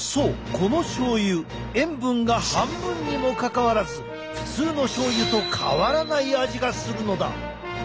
このしょうゆ塩分が半分にもかかわらず普通のしょうゆと変わらない味がするのだ。